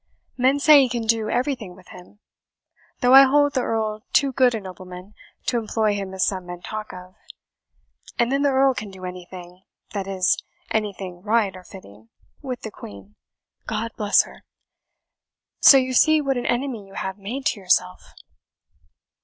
Men say he can do everything with him, though I hold the Earl too good a nobleman to employ him as some men talk of. And then the Earl can do anything (that is, anything right or fitting) with the Queen, God bless her! So you see what an enemy you have made to yourself."